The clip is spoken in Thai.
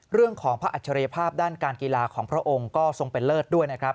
เรื่องของพระอัจฉริยภาพด้านการกีฬาของพระองค์ก็ทรงเป็นเลิศด้วยนะครับ